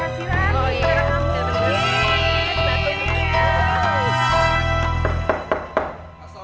oh buat penghasilan